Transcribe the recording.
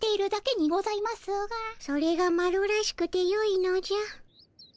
それがマロらしくてよいのじゃ。